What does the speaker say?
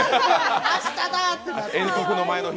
明日だって。